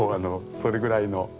それぐらいの。